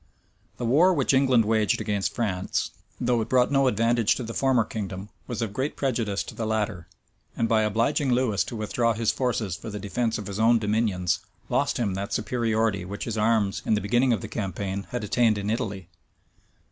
The war which England waged against France, though it brought no advantage to the former kingdom, was of great prejudice to the latter; and by obliging Lewis to withdraw his forces for the defence of his own dominions, lost him that superiority which his arms in the beginning of the campaign had attained in Italy.